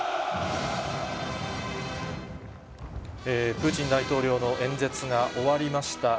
プーチン大統領の演説が終わりました。